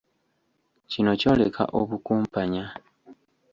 Kino kyoleka obukumpanya.